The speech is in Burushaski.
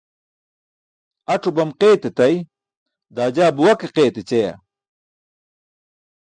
Ac̣o bam qayt etay, daa jaa buwa ke qayt ecayaa?